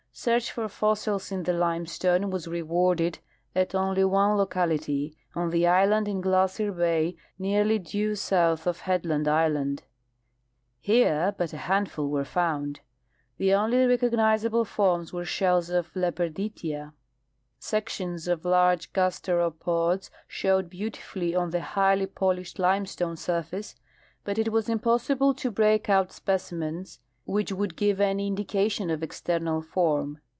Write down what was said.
Search for fossils in the limestone was rewarded at only one locality, on the island in Glacier bay nearly due south of Headland island. Here but a handful were found. The only recognizable forms were shells of Leperditia. Sections of large gasteropods showed beautifully on the highly polished limestone surface, but it was impossible to break out specimens which would give any indication of external form.